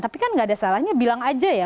tapi kan nggak ada salahnya bilang aja ya